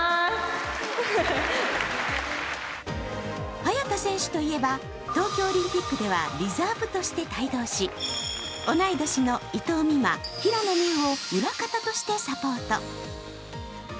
早田選手といえば、東京オリンピックではリザーブとして台頭し同い年の伊藤美誠、平野美宇を裏方としてサポート。